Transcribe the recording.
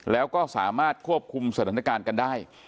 แล้วก็สามารถควบคุมสถานการณ์กันได้